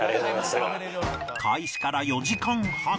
開始から４時間半